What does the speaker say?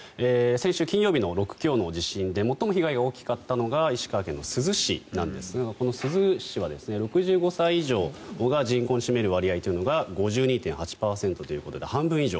先週金曜の震度６強の地震も最も被害が大きかったのが石川県の珠洲市ですがこの珠洲市は６５歳以上が人口に占める割合が５２．８％ということで半分以上。